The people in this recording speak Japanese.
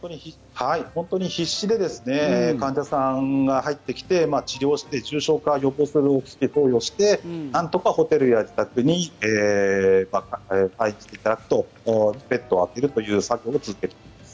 本当に必死で患者さんが入ってきて治療して重症化を予防するお薬を投与してなんとかホテルや自宅に待機していただくとベッドを空けるという策に移ってきています。